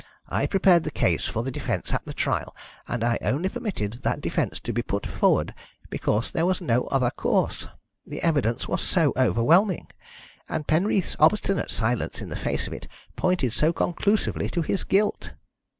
I prepared the case for the defence at the trial, and I only permitted that defence to be put forward because there was no other course the evidence was so overwhelming, and Penreath's obstinate silence in the face of it pointed so conclusively to his guilt."